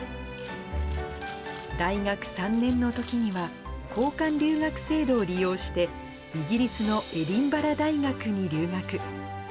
大学３年のときには、交換留学制度を利用して、イギリスのエディンバラ大学に留学。